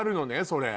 それ。